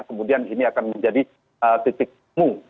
kemudian ini akan menjadi titik temu